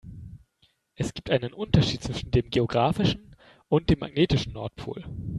Es gibt einen Unterschied zwischen dem geografischen und dem magnetischen Nordpol.